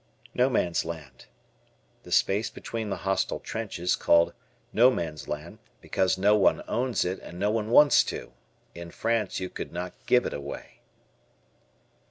No Man's Land. The space between the hostile trenches called "No Man's Land" because no one owns it and no one wants to. In France you could not give it away.